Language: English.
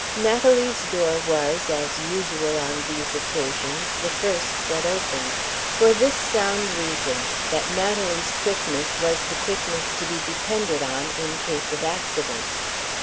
Natalie's door was, as usual on these occasions, the first that opened; for this sound reason, that Natalie's quickness was the quickness to be depended on in case of accident.